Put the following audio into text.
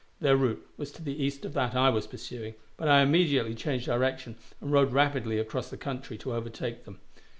Their route was to the east of that I was pursuing, but I immediately changed direction and rode rapidly across the country to overtake them.